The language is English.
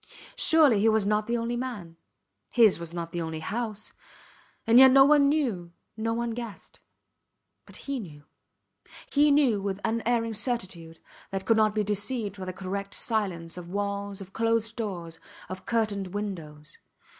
Surely he was not the only man; his was not the only house ... and yet no one knew no one guessed. But he knew. He knew with unerring certitude that could not be deceived by the correct silence of walls, of closed doors, of curtained windows.